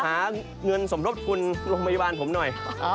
หาเงินสมทบทุนโรงพยาบาลผมหน่อย